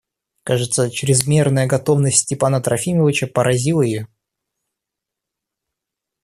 Кажется, чрезмерная готовность Степана Трофимовича поразила ее.